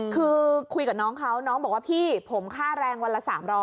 คือคุยกับน้องเขาน้องบอกว่าพี่ผมค่าแรงวันละ๓๐๐